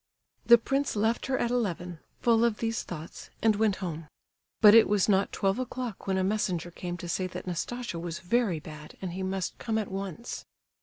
The prince left her at eleven, full of these thoughts, and went home. But it was not twelve o'clock when a messenger came to say that Nastasia was very bad, and he must come at once.